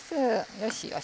よしよし。